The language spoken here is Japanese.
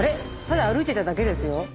ただ歩いてただけですよ。